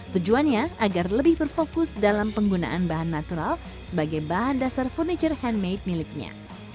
tujuannya agar lebih berfokus dalam penggunaan bahan natural sebagai bahan dasar furniture handmade miliknya